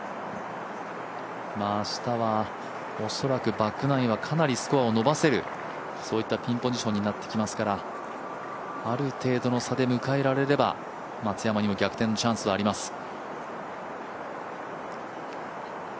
明日は恐らくバックナインはスコアを伸ばせるそういったピンポジションになってきますからある程度の差で迎えられれば松山にも逆転のチャンスはあります。